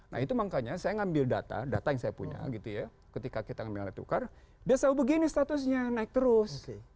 nah itu makanya saya ngambil data data yang saya punya gitu ya ketika kita mengambil nilai tukar dia selalu begini statusnya naik terus